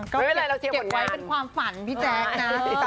ผมก็อยู่ผมปกตินะ